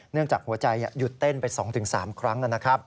เนื่องจากหัวใจหยุดเต้นไป๒๓ครั้งนั้นนะครับ